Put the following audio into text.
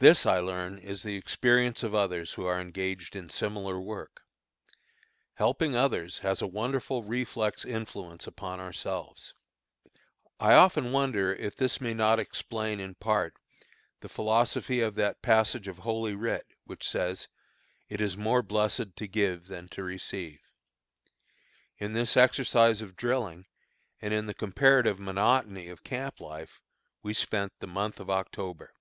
This I learn is the experience of others who are engaged in similar work. Helping others has a wonderful reflex influence upon ourselves. I often wonder if this may no explain in part the philosophy of that passage of Holy Writ, which says, "It is more blessed to give than to receive." In this exercise of drilling, and in the comparative monotony of camp life, we spent the month of October.